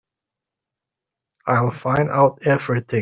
I'll find out everything.